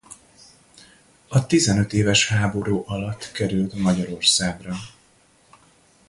A tizenöt éves háború alatt került Magyarországra.